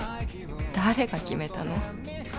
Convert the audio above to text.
「誰が決めたの」